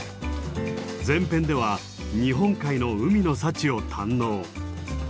前編では日本海の海の幸を堪能。